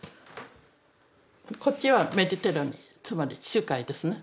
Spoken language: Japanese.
こっちはメディテラニつまり地中海ですね。